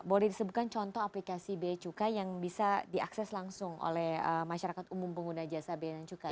boleh disebutkan contoh aplikasi biaya cukai yang bisa diakses langsung oleh masyarakat umum pengguna jasa bea dan cukai